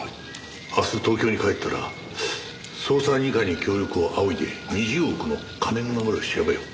明日東京に帰ったら捜査二課に協力を仰いで２０億の金の流れを調べよう。